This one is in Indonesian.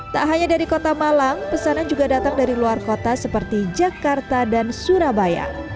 tak hanya dari kota malang pesanan juga datang dari luar kota seperti jakarta dan surabaya